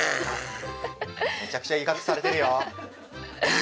めちゃくちゃいかくされてるよ。